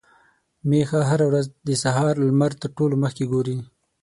ميښه هره ورځ د سهار لمر تر ټولو مخکې ګوري.